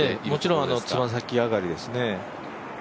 もちろん爪先上がりですね。